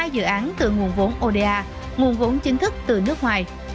hai dự án từ nguồn vốn oda nguồn vốn chính thức từ nước ngoài